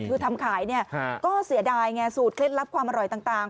คือทำขายเนี่ยก็เสียดายไงสูตรเคล็ดลับความอร่อยต่าง